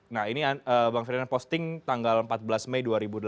nah ini bang ferdinand posting tanggal empat belas mei dua ribu dua puluh